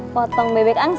potong bebek angsa